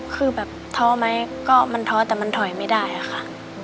คือแบบท้อไหมก็มันท้อแต่มันถอยไม่ได้ค่ะ